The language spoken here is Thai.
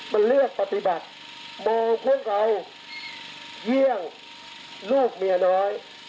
มันเลือกปฏิบัติดูพวกเราเยี่ยงลูกเมียน้อย